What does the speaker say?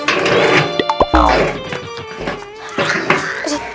angkat diri nya ustadz